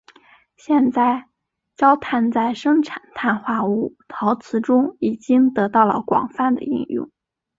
现在焦炭在生产碳化物陶瓷中已经得到了广泛的应用。